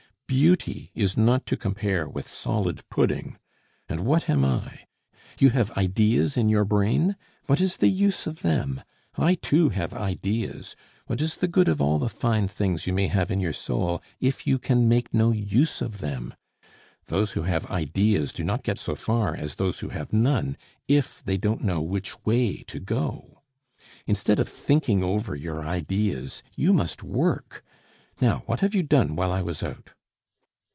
Beauty is not to compare with solid pudding and what am I! You have ideas in your brain? What is the use of them? I too have ideas. What is the good of all the fine things you may have in your soul if you can make no use of them? Those who have ideas do not get so far as those who have none, if they don't know which way to go. "Instead of thinking over your ideas you must work. Now, what have you done while I was out?"